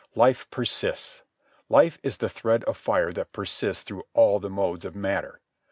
Life persists. Life is the thread of fire that persists through all the modes of matter.